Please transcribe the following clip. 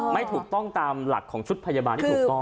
ไม่ถูกต้องตามหลักของชุดพยาบาลที่ถูกต้อง